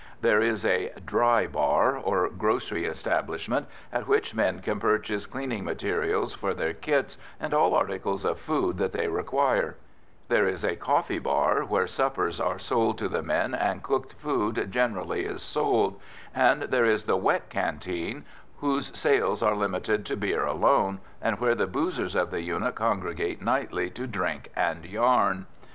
There is a "dry bar," or grocery establishment, at which men can purchase cleaning materials for their kits and all articles of food that they require; there is a "coffee bar," where suppers are sold to the men and cooked food generally is sold; and there is the "wet canteen," whose sales are limited to beer alone, and where the boozers of the unit congregate nightly to drink and yarn.